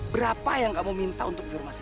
berapa yang kamu minta untuk informasi